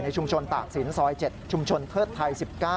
ชุมชนตากศิลปซอย๗ชุมชนเทิดไทย๑๙